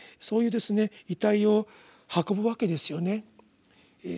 そういう遺体を運ぶわけですよね。